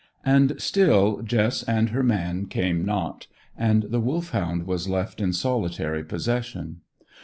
And still Jess and her man came not, and the Wolfhound was left in solitary possession.